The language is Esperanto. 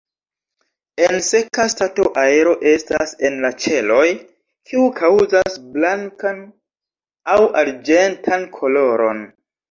En seka stato aero estas en la ĉeloj, kiu kaŭzas blankan aŭ arĝentan koloron.